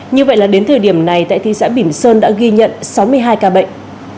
như vậy là đến thời điểm này tại thị xã bỉm sơn đã ghi nhận sáu mươi hai ca bệnh